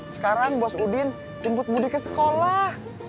sekarang bos udin timbut budi ke sekolah